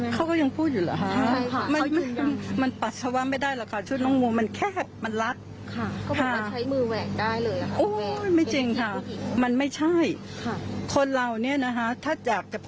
เขายืนยันว่าคุณแปลงโมไปปัสสาวะจริงคุณแม่ตรงนี้เชื่อไหมฮะ